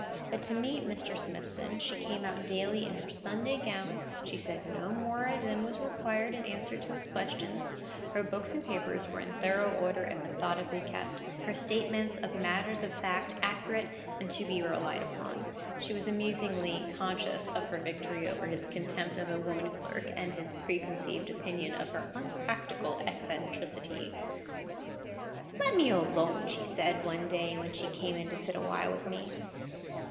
But to meet Mr. Smithson she came out daily in her Sunday gown; she said no more than was required in answer to his questions; her books and papers were in thorough order, and methodically kept; her statements of matters of fact accurate, and to be relied on. She was amusingly conscious of her victory over his contempt of a woman clerk and his preconceived opinion of her unpractical eccentricity. "Let me alone," said she, one day when she came in to sit awhile with me.